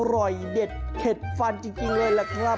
อร่อยเด็ดเข็ดฟันจริงเลยล่ะครับ